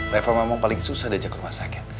level memang paling susah diajak ke rumah sakit